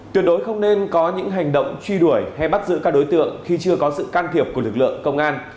tuyệt đối không nên có những hành động truy đuổi hay bắt giữ các đối tượng khi chưa có sự can thiệp của lực lượng công an